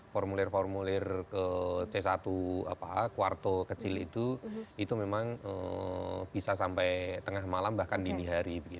formulir formulir ke c satu kuarto kecil itu itu memang bisa sampai tengah malam bahkan dini hari